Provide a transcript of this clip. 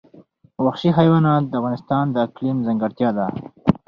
وحشي حیوانات د افغانستان د اقلیم ځانګړتیا ده.